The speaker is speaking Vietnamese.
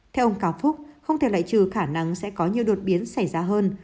theo ông cao phúc không thể lại trừ khả năng sẽ có nhiều đột biến xảy ra hơn